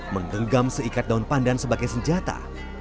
menggenggam seikat daun pandan sebagai senjata